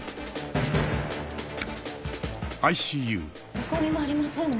どこにもありませんね。